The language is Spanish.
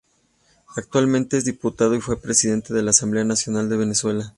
Actualmente es diputado y fue presidente de la Asamblea Nacional de Venezuela.